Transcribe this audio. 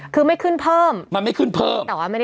คือไม่ขึ้นเพิ่ม